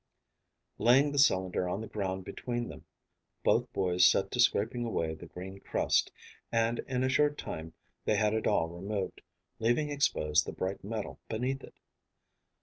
Laying the cylinder on the ground between them, both boys set to scraping away the green crust, and in a short time they had it all removed, leaving exposed the bright metal beneath it.